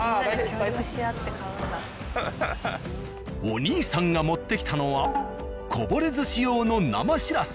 お兄さんが持ってきたのはこぼれ寿司用の生しらす。